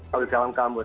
kalau di dalam kampus